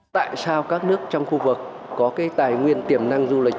tại sao các nước trong khu vực có cái tài nguyên tiềm năng du lịch